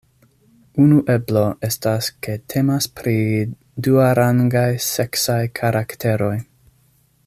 Unu eblo estas ke temas pri duarangaj seksaj karakteroj.